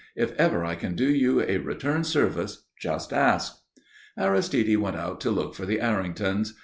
If ever I can do you a return service, just ask." Aristide went out to look for the Erringtons.